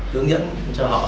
hướng dẫn cho họ